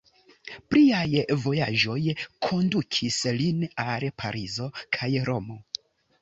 Pliaj vojaĝoj kondukis lin al Parizo kaj Romo.